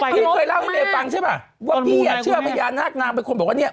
พี่ไม่เคยเล่าให้เมย์ฟังใช่ป่ะว่าพี่อ่ะเชื่อพญานาคนางเป็นคนบอกว่าเนี่ย